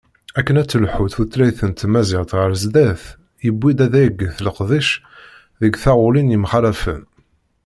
Akken ad telḥu tutlayt n tmaziɣt ɣer sdat, yewwi-d ad yaget leqdic deg taɣulin yemxalafen.